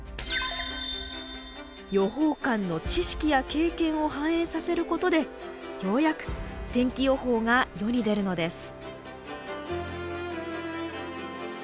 予報官の知識や経験を反映させることでようやく天気予報が世に出るのです。